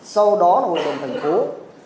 sau đó là hội đồng thành phố